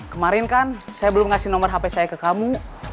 kemarin kan saya belum ngasih nomor hp saya ke kamu